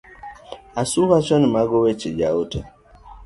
Asu wacho ni mago weche ja ote.